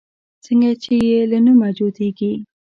څنگه چې يې له نومه جوتېږي